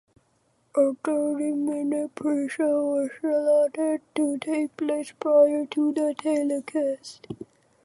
A thirty-minute pre-show was slatted to take place prior to the telecast.